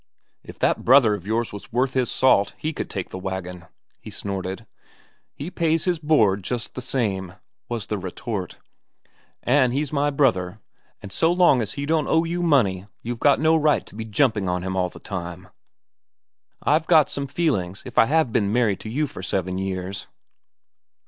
"If that brother of yours was worth his salt, he could take the wagon," he snorted. "He pays his board, just the same," was the retort. "An' he's my brother, an' so long as he don't owe you money you've got no right to be jumping on him all the time. I've got some feelings, if I have been married to you for seven years."